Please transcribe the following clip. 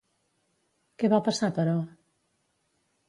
Què va passar, però?